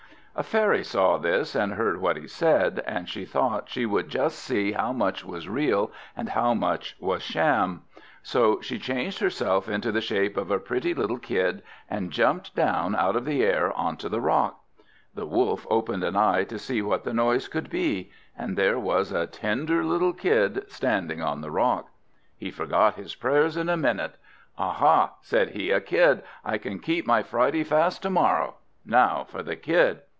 A fairy saw this, and heard what he said; and she thought she would just see how much was real and how much was sham. So she changed herself into the shape of a pretty little Kid, and jumped down out of the air on to the rock. The Wolf opened an eye to see what the noise could be, and there was a tender little Kid, standing on the rock. He forgot his prayers in a minute. "Aha!" said he. "A Kid! I can keep my Friday fast to morrow. Now for the Kid!"